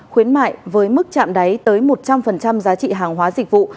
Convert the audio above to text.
khuyến mại với mức chạm đáy tới một trăm linh giá trị hàng hóa dịch vụ